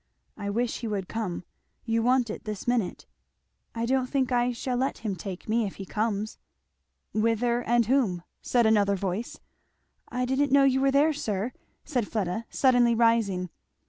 I wish he would come. You want it this minute." "I don't think I shall let him take me if he comes." "Whither? and whom?" said another voice. "I didn't know you were there, sir," said Fleda suddenly rising.